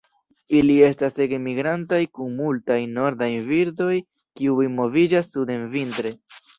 Ili estas ege migrantaj, kun multaj nordaj birdoj kiuj moviĝas suden vintre.